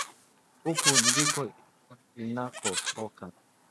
Huku ndo ninakotoka